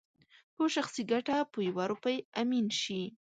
په شخصي ګټه په يوه روپۍ امين شي